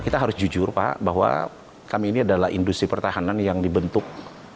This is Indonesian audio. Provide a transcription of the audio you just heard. kita harus jujur pak bahwa kami ini adalah industri pertahanan yang dibentuk